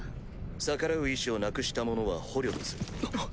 逆らう意思をなくした者は捕虜とする。